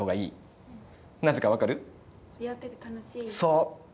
そう！